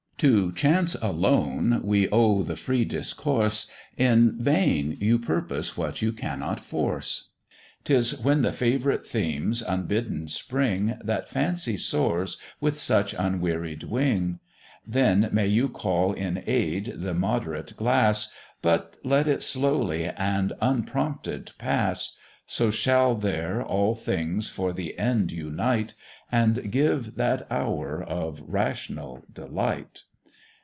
To chance alone we owe the free discourse, In vain you purpose what you cannot force; 'Tis when the favourite themes unbidden spring, That fancy soars with such unwearied wing; Then may you call in aid the moderate glass, But let it slowly and unprompted pass; So shall there all things for the end unite, And give that hour of rational delight.